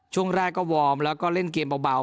ช่วงแรกก็วอร์มแล้วก็เล่นเกมเบา